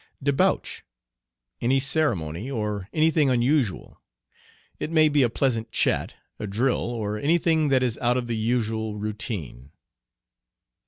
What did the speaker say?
"Debauch." Any ceremony or any thing unusual. It may be a pleasant chat, a drill, or any thing that is out of the usual routine.